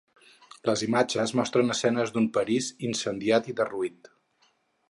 Les imatges mostren escenes d'un París incendiat i derruït.